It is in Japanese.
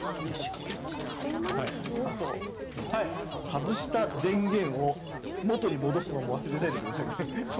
外した電源を元に戻すのも忘れないでくださいね。